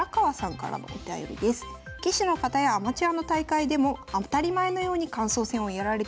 「棋士の方やアマチュアの大会でも当たり前のように感想戦をやられています。